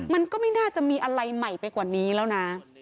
มันก็ไม่น่าจะมีอะไรใหม่ไปกว่านี้แล้วนะ